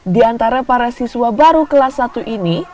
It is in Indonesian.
di antara para siswa baru kelas satu ini